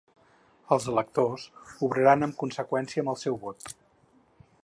Els electors obraran en conseqüència amb el seu vot.